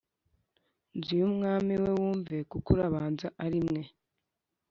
nzu y umwami we wumve kuko urubanza ari mwe